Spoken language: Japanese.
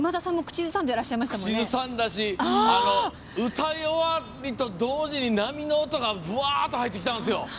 口ずさんだし歌い終わると同時に波の音がぶわっと入ってきたんですよ。